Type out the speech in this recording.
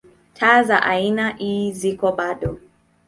Taa za aina ii ziko bado.